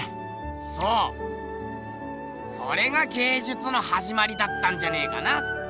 そうそれが芸術のはじまりだったんじゃねえかな。